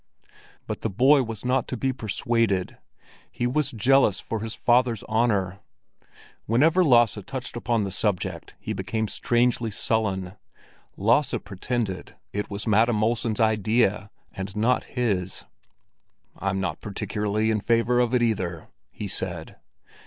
But the boy was not to be persuaded; he was jealous for his father's honor. Whenever Lasse touched upon the subject he became strangely sullen. Lasse pretended it was Madam Olsen's idea, and not his. "I'm not particularly in favor of it, either," he said.